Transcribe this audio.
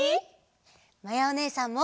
まやおねえさんも。